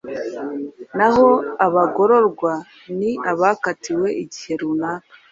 naho abagororwa ni abakatiwe igihe runaka